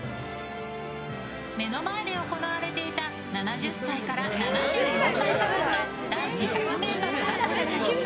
目の前で行われていた７０歳から７４歳区分の男子１００ｍバタフライ。